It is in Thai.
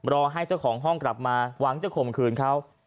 รอให้เจ้าของห้องกลับมาหวังจะข่มขืนเขา